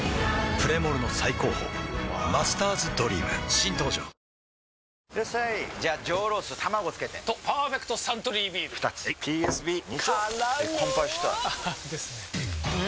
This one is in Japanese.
プレモルの最高峰「マスターズドリーム」新登場ワオいらっしゃいじゃあ上ロース卵つけてと「パーフェクトサントリービール」２つはいＰＳＢ２丁！！からの乾杯したいですよねう！